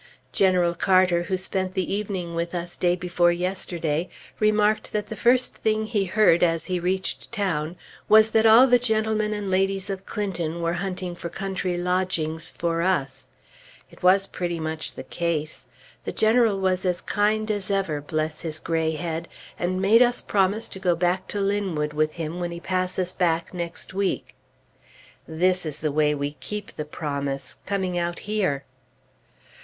General Carter, who spent the evening with us day before yesterday, remarked that the first thing he heard as he reached town was that all the gentlemen and ladies of Clinton were hunting for country lodgings for us. It was pretty much the case. The General was as kind as ever, bless his gray head! and made us promise to go back to Linwood with him when he passes back next week. This is the way we keep the promise coming out here.